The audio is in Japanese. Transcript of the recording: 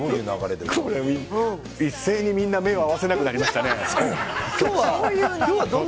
一斉にみんな目を合わせなくなりましたね。